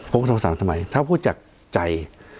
พูดโทรศัพท์ทำไมถ้าพูดจากใจ